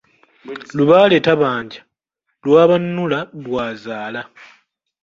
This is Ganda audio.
Lubaale tabanja, lwabanula lwazaala.